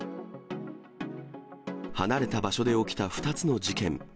離れた場所で起きた２つの事件。